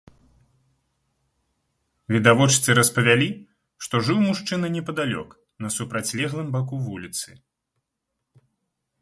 Відавочцы распавялі, што жыў мужчына непадалёк на супрацьлеглым баку вуліцы.